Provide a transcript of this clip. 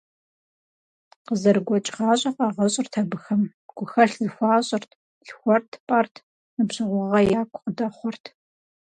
Къызэрыгуэкӏ гъащӏэ къагъэщӏырт абыхэм: гухэлъ зэхуащӏырт, лъхуэрт-пӏэрт, ныбжьэгъугъэ яку къыдэхъуэрт.